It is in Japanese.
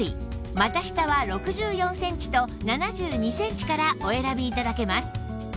股下は６４センチと７２センチからお選び頂けます